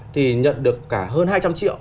thì nhận được cả hơn hai trăm linh triệu